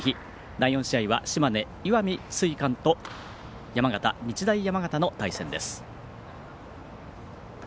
第４試合は島根・石見智翠館と山形・日大山形の対戦です。